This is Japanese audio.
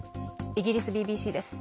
イギリスＢＢＣです。